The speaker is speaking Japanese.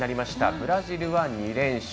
ブラジルは２連勝。